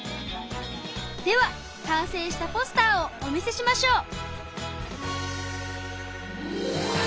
では完成したポスターをお見せしましょう。